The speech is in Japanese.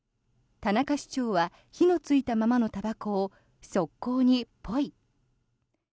田中市長は火のついたままのたばこを側溝にポイ。